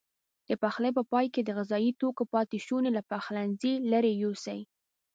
د پخلي په پای کې د غذايي توکو پاتې شونې له پخلنځي لیرې یوسئ.